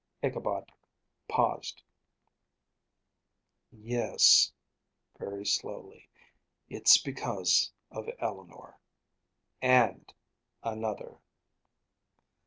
Ichabod paused. "Yes," very slowly. "It's because of Eleanor and another."